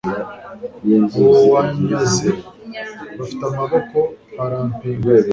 abo banyazi bafite amaboko barampiga